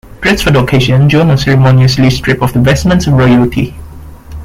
Dressed for the occasion John was ceremoniously stripped of the vestments of royalty.